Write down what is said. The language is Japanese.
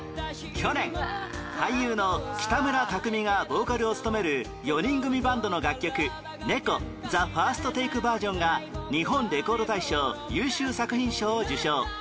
去年俳優の北村匠海がボーカルを務める４人組バンドの楽曲『猫 ＴＨＥＦＩＲＳＴＴＡＫＥｖｅｒ．』が日本レコード大賞優秀作品賞を受賞